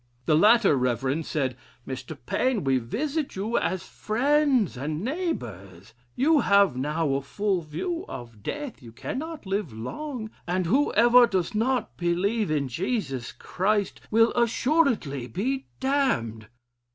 The latter reverend said, "Mr. Paine, we visit you as friends and neighbors; you have now a full view of death, you cannot live long; and whoever does not believe in Jesus Christ, will assuredly be damned."